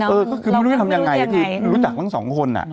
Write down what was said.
เออก็คือไม่รู้จะทำยังไงคือรู้จักทั้งสองคน